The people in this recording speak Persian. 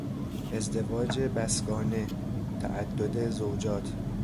ازدواج بسگانه، تعدد زوجات